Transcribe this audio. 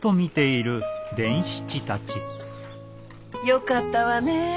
よかったわねぇ！